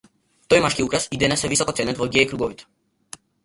Тој машки украс и денес е високо ценет во геј круговите.